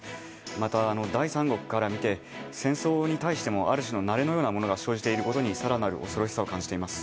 また、第三国から見て戦争に対してのある種の慣れのようなものが生じていることに更なる恐ろしさを感じています。